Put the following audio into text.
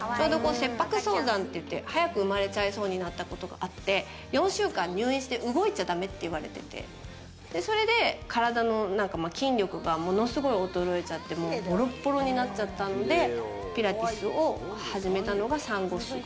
切迫早産っていって、早く生まれちゃいそうになったことがあって４週間入院して、動いちゃダメって言われてそれで体の筋力がものすごく衰えちゃってボロボロになっちゃったので、ピラティスを始めたのが、産後すぐ。